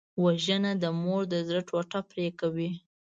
وژنه د مور د زړه ټوټه پرې کوي